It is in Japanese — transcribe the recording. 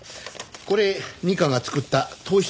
これ二課が作った投資